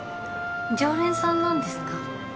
常連さんなんですか？